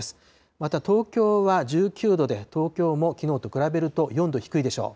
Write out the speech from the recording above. また東京は１９度で、東京もきのうと比べると４度低いでしょう。